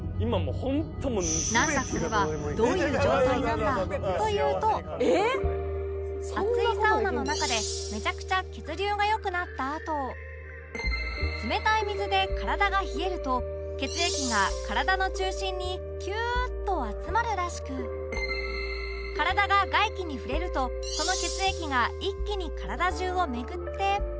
「なんだ？これは。どういう状態なんだ？」というと熱いサウナの中でめちゃくちゃ血流が良くなったあと冷たい水で体が冷えると血液が体の中心にキューッと集まるらしく体が外気に触れるとその血液が一気に体中を巡って